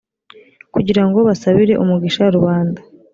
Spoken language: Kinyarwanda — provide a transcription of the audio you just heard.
kugira ngo basabire umugisha rubanda,